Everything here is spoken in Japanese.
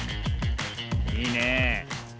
いいね。